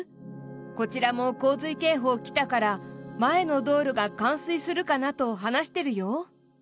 こちらも洪水警報来たから前の道路が冠水するかなと話してるよ。